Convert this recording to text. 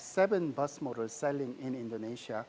tujuh model bus yang berjualan di indonesia